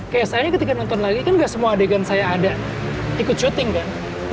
kayak saya ketika nonton lagi kan gak semua adegan saya ada ikut syuting kan